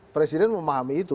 presiden memahami itu